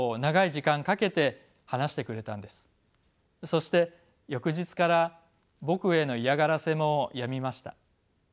そして翌日から僕への嫌がらせもやみました。